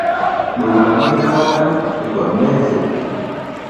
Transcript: Ɗuwula mi da maƞgal, i ngwat mezle.